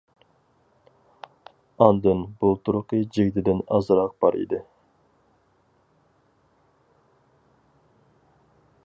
ئاندىن بۇلتۇرقى جىگدىدىن ئازراق بار ئىدى.